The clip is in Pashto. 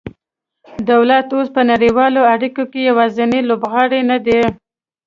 دولت اوس په نړیوالو اړیکو کې یوازینی لوبغاړی نه دی